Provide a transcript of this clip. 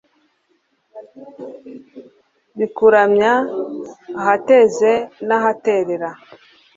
bikuramya, ahateze n'ahaterera